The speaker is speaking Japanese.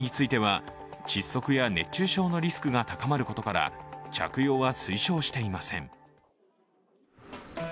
ただ、２歳未満については窒息や熱中症のリスクが高まることから着用は推奨していません。